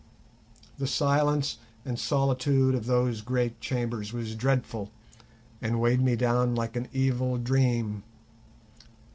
The silence and solitude of those great chambers was dreadful, and weighed me down like an evil dream.